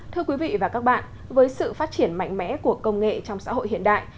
thưa quý vị và các bạn với sự phát triển mạnh mẽ của công nghệ trong xã hội hiện đại